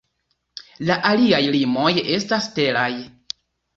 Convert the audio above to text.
La aliaj limoj estas teraj.